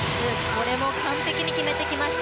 これも完璧に決めてきました。